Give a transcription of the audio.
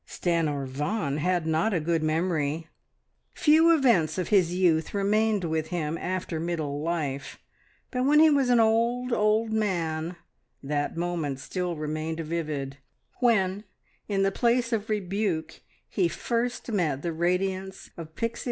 Stanor Vaughan had not a good memory: few events of his youth remained with him after middle life, but when he was an old, old man that moment still remained vivid, when, in the place of rebuke, he first met the radiance of Pixie.